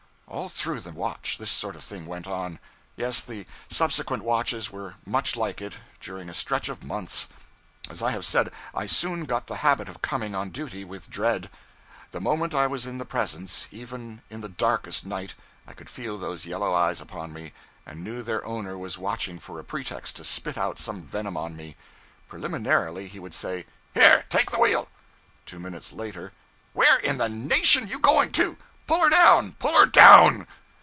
All through the watch this sort of thing went on. Yes, and the subsequent watches were much like it, during a stretch of months. As I have said, I soon got the habit of coming on duty with dread. The moment I was in the presence, even in the darkest night, I could feel those yellow eyes upon me, and knew their owner was watching for a pretext to spit out some venom on me. Preliminarily he would say 'Here! Take the wheel.' Two minutes later '_Where _in the nation you going to? Pull her down! pull her down!'